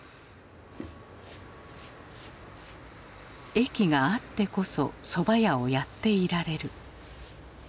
駅があってこそそば屋をやっていられる。